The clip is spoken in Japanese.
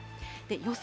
予想